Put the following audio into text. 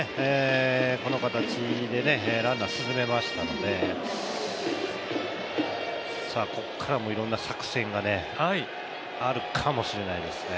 この形でランナーを進めましたのでここからいろんな作戦がねあるかもしれないですね。